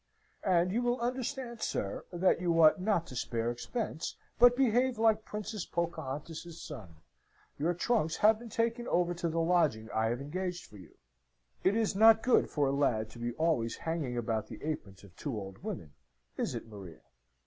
And you will understand, sir, that you ought not to spare expense, but behave like Princess Pocahontas's son. Your trunks have been taken over to the lodging I have engaged for you. It is not good for a lad to be always hanging about the aprons of two old women. Is it, Maria?"